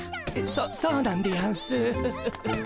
そそうなんでやんす。